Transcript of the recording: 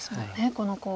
このコウ。